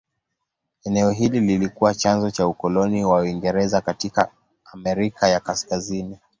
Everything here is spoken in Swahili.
Eneo hili lilikuwa chanzo cha ukoloni wa Uingereza katika Amerika ya Kaskazini.